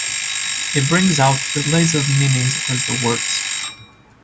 It brings out relays of meanings across the works.